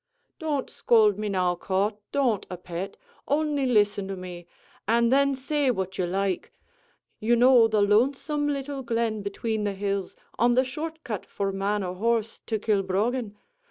"Don't scould me, now, Cauth; don't, a pet: only listen to me, an' then say what you like. You know the lonesome little glen between the hills, on the short cut for man or horse, to Kilbroggan?